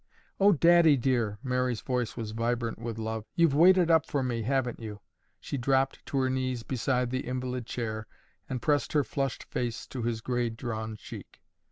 "Oh, Daddy dear!" Mary's voice was vibrant with love. "You've waited up for me, haven't you?" She dropped to her knees beside the invalid chair and pressed her flushed face to his gray, drawn cheek.